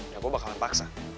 ya gua bakalan paksa